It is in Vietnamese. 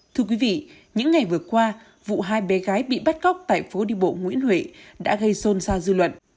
thưa quý vị những ngày vừa qua vụ hai bé gái bị bắt cóc tại phố đi bộ nguyễn huệ đã gây xôn xa dư luận